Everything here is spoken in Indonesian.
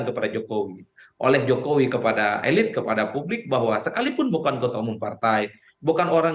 kepada jokowi oleh jokowi kepada elit kepada publik bahwa sekalipun bukan ketua umum partai bukan orang